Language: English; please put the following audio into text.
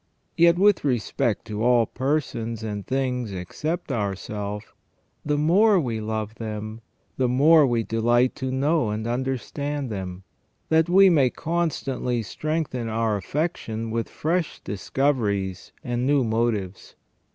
Yet with respect to all persons and things except ourself, the more we love them, the more we delight to know and understand them, that we may constantly strengthen our affection with fresh discoveries and new motives.